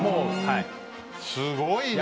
すごいね。